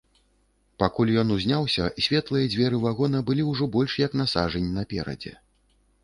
Пакуль ён узняўся, светлыя дзверы вагона былі ўжо больш як на сажань наперадзе.